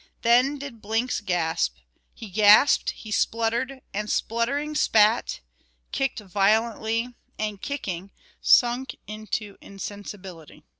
Then did Blinks gasp, he gasped, he spluttered and spluttering spat, kicked violently, and kicking, sunk into insensibility.